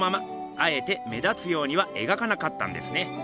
あえて目立つようには描かなかったんですね。